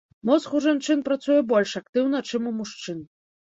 Мозг у жанчын працуе больш актыўна, чым у мужчын.